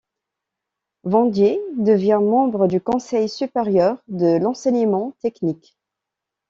Vandier devient membre du conseil supérieur de l'enseignement technique.